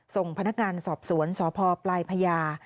ส่งพนักงานสอบสวนสพปลายพญา